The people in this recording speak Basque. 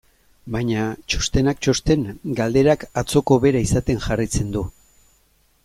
Baina, txostenak txosten, galderak atzoko bera izaten jarraitzen du.